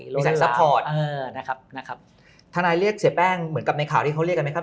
มีแสดงซัพพอร์ตถ้านายเรียกเสียแป้งเหมือนกับในข่าวที่เขาเรียกกันไหมครับ